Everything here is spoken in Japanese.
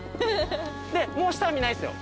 でもう下は見ないっすよ